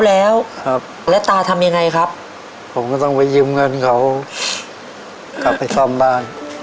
แล้วครับแล้วตาทำยังไงครับผมก็ต้องไปยืมเงินเขากลับไปซ่อมบ้าน